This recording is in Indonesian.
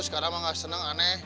sekarang mah gak seneng aneh